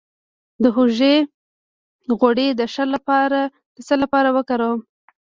د هوږې غوړي د څه لپاره وکاروم؟